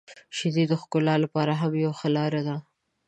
• شیدې د ښکلا لپاره هم یو ښه لاره ده.